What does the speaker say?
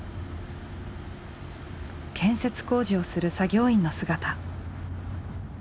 建設工事をする作業員の姿。